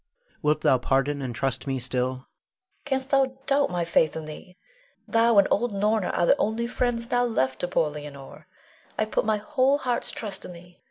Wilt thou pardon and trust me still? Leonore. Canst thou doubt my faith in thee? Thou and old Norna are the only friends now left to poor Leonore. I put my whole heart's trust in thee.